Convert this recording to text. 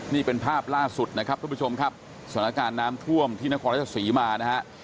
นี่เป็นภาพล่าสุดนะครับทุกผู้ชมครับสถานการณ์น้ำท่วมที่นครราชศรีมานะฮะ